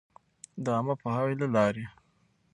د عــامه پـوهــاوي لـه لارې٫